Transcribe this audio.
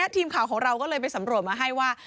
ทีมข่าวของเราก็เลยไปสำรวจมาให้ว่า